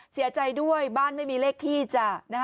เสียใจด้วยบ้านไม่มีเลขที่จ้ะ